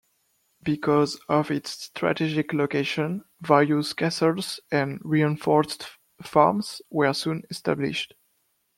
Because of its strategic location, various castles and reinforced farms were soon established.